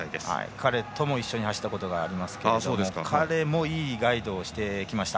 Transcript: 彼とも一緒に走ったことがありますが彼もいいガイドをしてきました。